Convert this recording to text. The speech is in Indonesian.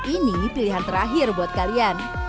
ini pilihan terakhir buat kalian